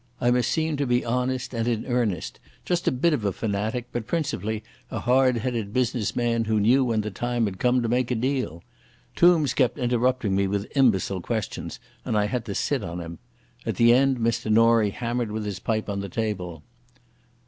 I must seem to be honest and in earnest, just a bit of a fanatic, but principally a hard headed businessman who knew when the time had come to make a deal. Tombs kept interrupting me with imbecile questions, and I had to sit on him. At the end Mr Norie hammered with his pipe on the table.